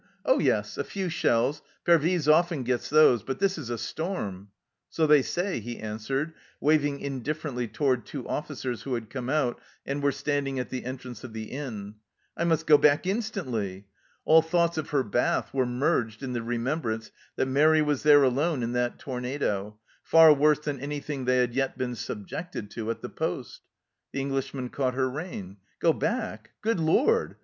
Oh yes, a few shells, Pervyse often gets those, but this is a storm !"" So they say," he answered, waving indifferently toward two officers who had come out and were standing at the entrance of the inn. " I must go back instantly." All thoughts of her bath were merged in the remembrance that Mairi was there alone in that tornado, far worse than anything they had yet been subjected to at the poste. The Englishman caught her rein. " Go back ? Good lord